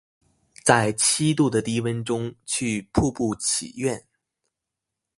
在七度的低温中去瀑布祈愿